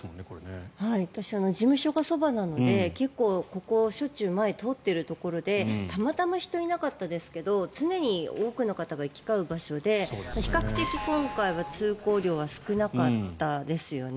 私は事務所がそばなので結構ここ、しょっちゅう前を通っているところでたまたま人がいなかったですけど常に多くの方が行き交う場所で比較的、今回は通行量は少なかったですよね。